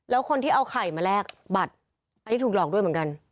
แล้วคนที่เอาไข่มาแลกบัตรอันนี้ถูกหลอกด้วยเหมือนกัน